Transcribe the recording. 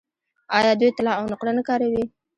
آیا دوی طلا او نقره نه کاروي؟